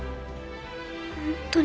本当に？